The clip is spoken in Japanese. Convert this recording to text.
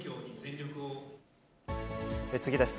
次です。